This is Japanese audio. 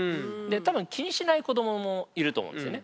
多分気にしない子どももいると思うんですよね。